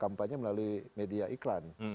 kampanye melalui media iklan